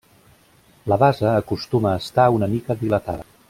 La base acostuma a estar una mica dilatada.